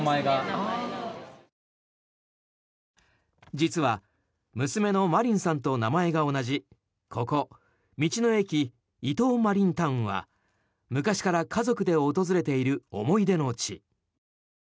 実は娘の真凛さんと名前が同じここ、道の駅伊東マリンタウンは昔から家族で訪れている思い出の地。